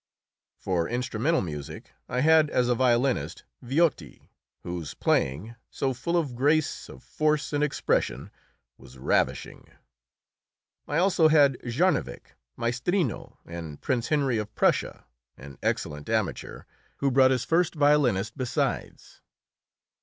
For instrumental music I had as a violinist Viotti, whose playing, so full of grace, of force and expression, was ravishing. I also had Jarnovick, Maestrino, and Prince Henry of Prussia, an excellent amateur, who brought this first violinist besides.